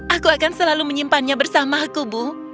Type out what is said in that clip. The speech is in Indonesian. aku akan selalu menyimpannya bersama aku bu